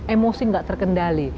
emosi nggak terkendali